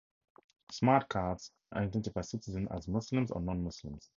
Smart Cards identify citizens as Muslims or Non-Muslims.